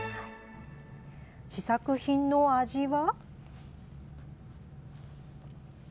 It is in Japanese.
試作品の味は。